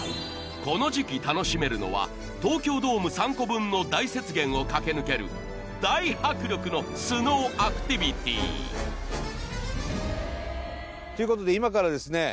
この時期楽しめるのは東京ドーム３個分の大雪原を駆け抜ける大迫力のスノーアクティビティということで今からですね